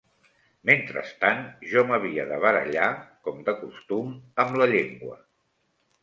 Mentrestant, jo m'havia de barallar, com de costum, amb la llengua